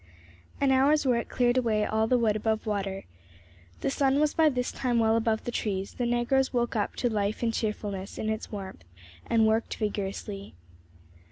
An hour's work cleared away all the wood above water. The sun was by this time well above the trees; the negroes woke up to life and cheerfulness in its warmth, and worked vigorously.